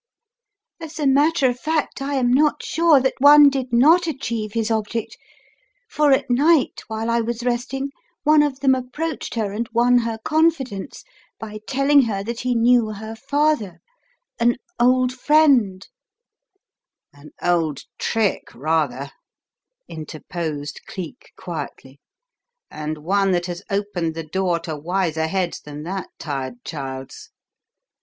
As a matter of fact, I am not sure that one did not achieve his object, for at night while I was resting one of them approached her and won her confidence by telling her that he knew her father, an old friend " "An old trick rather," interposed Cleek quietly, "and one that has opened the door to wiser heads than that tired child's.